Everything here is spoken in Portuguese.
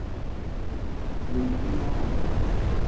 Vestido amarelo.